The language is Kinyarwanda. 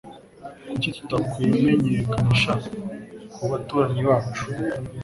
Kuki tutakwimenyekanisha kubaturanyi bacu?